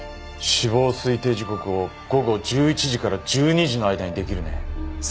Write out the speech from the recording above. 死亡推定時刻を午後１１時から１２時の間にできるね。